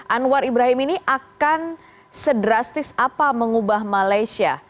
anwar ibrahim ini akan sedrastis apa mengubah malaysia